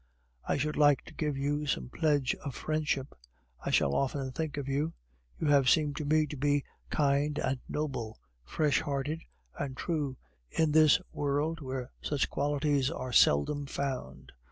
"I should like to give you some pledge of friendship. I shall often think of you. You have seemed to me to be kind and noble, fresh hearted and true, in this world where such qualities are seldom found.